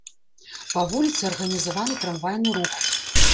Па вуліцы арганізаваны трамвайны рух.